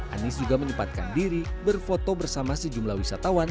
anies juga menyempatkan diri berfoto bersama sejumlah wisatawan